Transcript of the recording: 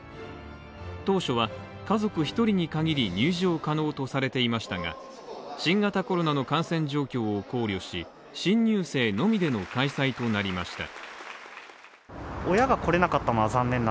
当初は家族１人に限り入場可能とされていましたが新型コロナの感染状況を考慮し新入生のみでの開催となりました。